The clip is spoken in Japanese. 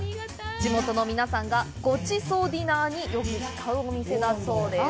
地元の皆さんがごちそうディナーによく使うお店だそうです。